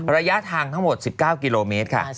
ระยะทางทั้งหมด๑๙กิโลเมตรค่ะ